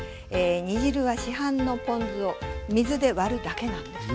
煮汁は市販のポン酢を水で割るだけなんです。